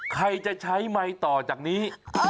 ใครจะใช้ไมค์ต่อจากนี้